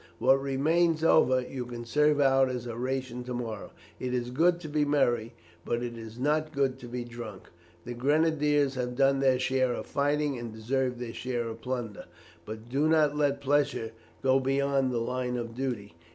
What remains over, you can serve out as a ration to morrow. It is good to be merry, but it is not good to be drunk. The grenadiers have done their share of fighting and deserve their share of plunder, but do not let pleasure go beyond the line of duty.